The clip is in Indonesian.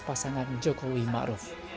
pasangan jokowi ma'ruf